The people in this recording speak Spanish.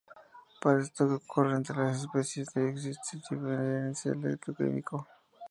Para que esto ocurra entre las especies, debe existir un diferencial electroquímico.